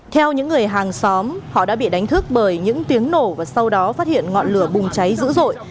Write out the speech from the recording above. theo những người hàng xóm họ đã bị đánh thức bởi những tiếng nổ và sau đó phát hiện ngọn lửa bùng cháy dữ dội